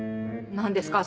何ですか？